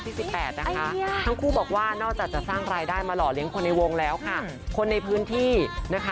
ที่คอยส่งบันลังใจให้และสนับสนุน